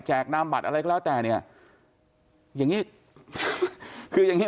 แจกน้ำหมัดอะไรก็แล้วแต่เนี่ยอย่างนี้